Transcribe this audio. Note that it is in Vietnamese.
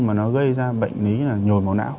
mà nó gây ra bệnh lý nhồi máu não